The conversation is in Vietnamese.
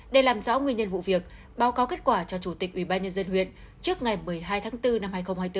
để làm rõ nguyên nhân vụ việc báo cáo kết quả cho chủ tịch ubnd huyện trước ngày một mươi hai tháng bốn năm hai nghìn hai mươi bốn